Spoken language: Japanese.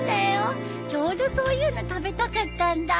ちょうどそういうの食べたかったんだ。